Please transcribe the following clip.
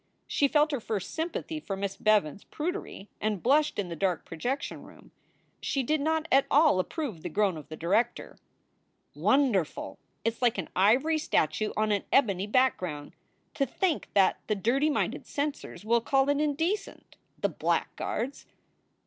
She felt her first sympathy for Miss Bevans s prudery and blushed in the dark projection room. She did not at all approve the groan of the director. 3 o6 SOULS FOR SALE "Wonderful! It s like an ivory statue on an ebony back ground. To think that the dirty minded censors will call it indecent, the blackguards!"